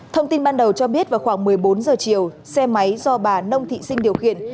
thông tin ban đầu cho biết vào khoảng một mươi bốn giờ chiều xe máy do bà nông thị sinh điều khiển